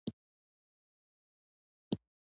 لنډ او ټاکلي وخت کې سوی وای.